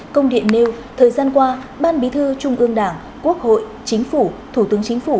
công điện nêu thời gian qua ban bí thư trung ương đảng quốc hội chính phủ thủ tướng chính phủ